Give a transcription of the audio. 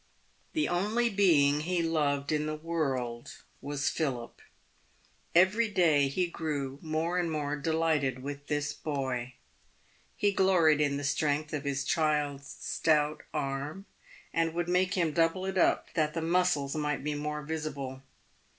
The only being he loved in the world was Philip. Every day he grew more and more delighted with his boy. He gloried in the PAYED WITH GOLD. 359 strength of his child's stout arm, and would make him double it up that the muscles might be more visible.